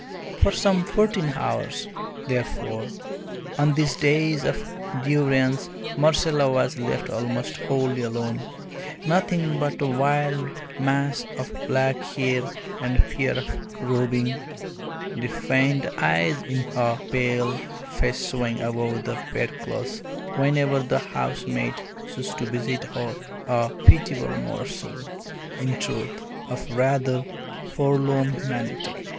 For some fourteen hours, therefore, on these days of durance Marcella was left almost wholly alone, nothing but a wild mass of black hair and a pair of roving, defiant eyes in a pale face showing above the bedclothes whenever the housemaid chose to visit her a pitiable morsel, in truth, of rather forlorn humanity.